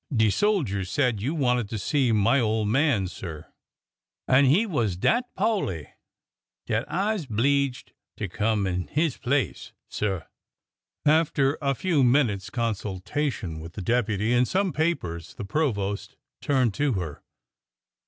De soldier said you wanted to see my ole man, sir ; an' he was dat po'ly dat I 's 'bleeged to come in his place, sir." After a few minutes' consultation with the deputy and some papers, the provost turned to her.